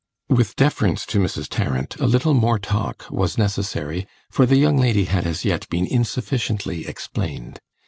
With deference to Mrs. Tarrant, a little more talk was necessary, for the young lady had as yet been insufficiently explained.